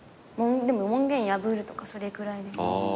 でも門限破るとかそれくらいです。